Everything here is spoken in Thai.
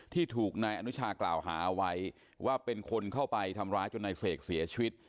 ที่ถูกนายอนุชากล่าวหาไว้ว่าเป็นคนเข้าไปทำร้ายจนนายเสกเสียชีวิต